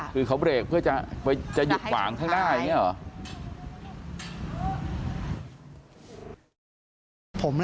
คือเขาเบรกเพื่อจะหยุดขวางข้างหน้าอย่างนี้หรอ